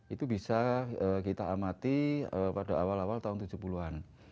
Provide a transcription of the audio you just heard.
itu bisa kita amati pada awal awal tahun tujuh puluh an